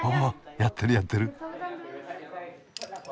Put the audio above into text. やってるやってる。